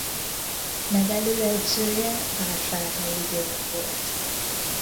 Nevelőedzője Vásárhelyi György volt.